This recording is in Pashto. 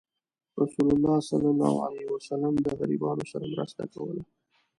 رسول الله صلى الله عليه وسلم د غریبانو سره مرسته کوله.